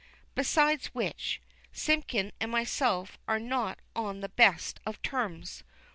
Besides which, Simpkin and myself are not on the best of terms.